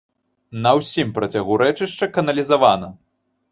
На ўсім працягу рэчышча каналізавана.